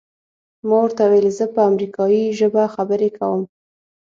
ما ورته وویل زه په امریکایي ژبه خبرې کوم.